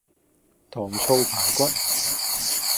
糖醋排骨